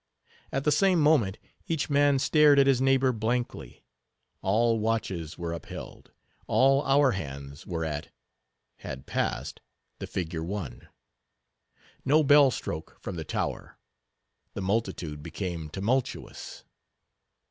At the same moment, each man stared at his neighbor blankly. All watches were upheld. All hour hands were at—had passed—the figure 1. No bell stroke from the tower. The multitude became tumultuous.